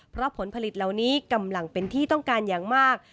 เพราะผลผลิตเหล่านี้กำลังเป็นที่ต้องการอย่างมาก